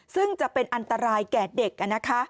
ซึ่งจะเป็นอันตรายแก่เด็ก